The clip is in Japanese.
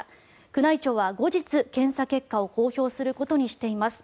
宮内庁は後日、検査結果を公表することにしています。